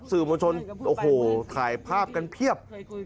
สื่อมวลชนโอ้โหถ่ายภาพกันเพียบ